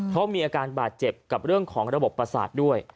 เพราะมีอาการบาดเจ็บกับเรื่องของระบบประสาทด้วย